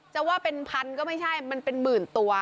จะว่าเป็นพันก็ไม่ใช่มันเป็นหมื่นตัว